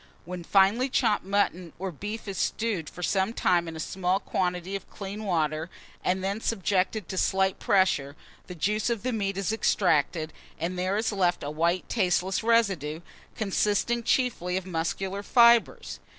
When finely chopped mutton or beef is steeped for some time in a small quantity of clean water, and then subjected to slight pressure, the juice of the meat is extracted, and there is left a white tasteless residue, consisting chiefly of muscular fibres.